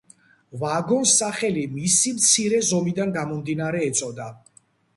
ვაგონს სახელი მისი მცირე ზომიდან გამომდინარე ეწოდა.